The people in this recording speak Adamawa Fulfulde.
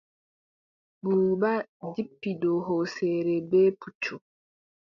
Buuba jippi dow hooseere bee puccu.